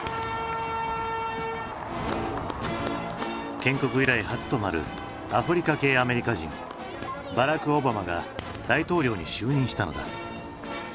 建国以来初となるアフリカ系アメリカ人バラク・オバマが大統領に就任したのだ。